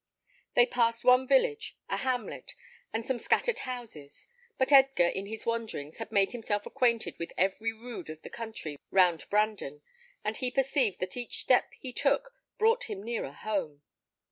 They passed one village, a hamlet, and some scattered houses; but Edgar, in his wanderings, had made himself acquainted with every rood of the country round Brandon, and he perceived that each step he took brought him nearer home.